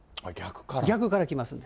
逆から来ますんで。